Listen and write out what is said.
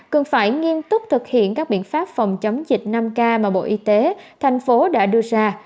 cần phải nghiêm túc thực hiện các biện pháp phòng chống dịch năm k mà bộ y tế thành phố đã đưa ra